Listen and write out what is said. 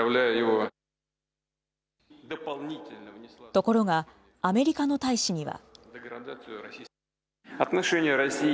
ところが、アメリカの大使には。